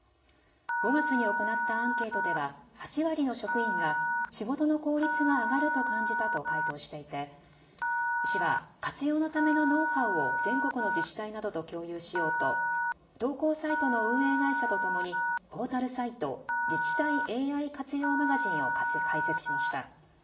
５月に行ったアンケートでは８割の職員が仕事の効率が上がると感じたと回答していて市は活用のためのノウハウを全国の自治体などと共有しようと投稿サイトの運営会社とともにポータルサイト、自治体ＡＩ活用マガジンを開設しました。